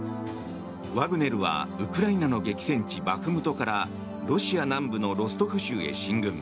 ワグネルはウクライナの激戦地バフムトからロシア南部のロストフ州へ進軍。